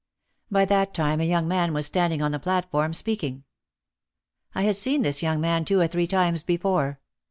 By that time a young man was stand ing on the. platform speaking. I had seen this young man two or three times before.